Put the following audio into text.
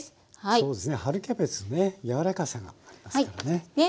そうですね春キャベツね柔らかさがありますからね。